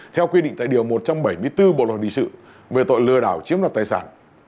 theo quy định tại điều một trăm bảy mươi bốn bộ luật hình sự về tội lừa đảo chiếm đoạt tài sản